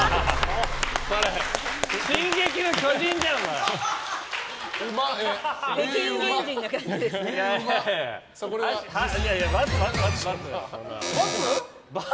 それ、「進撃の巨人」じゃん！×。